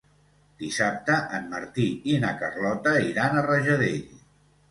Dissabte en Martí i na Carlota iran a Rajadell.